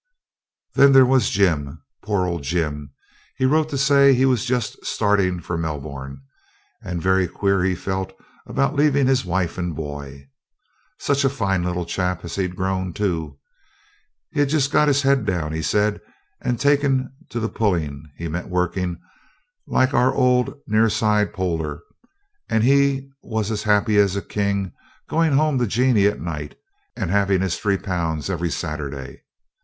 Then there was Jim, poor old Jim! He wrote to say he was just starting for Melbourne, and very queer he felt about leaving his wife and boy. Such a fine little chap as he'd grown too. He'd just got his head down, he said, and taken to the pulling (he meant working) like our old near side poler, and he was as happy as a king, going home to Jeanie at night, and having his three pounds every Saturday.